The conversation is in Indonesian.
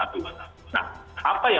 energi kelima itu adalah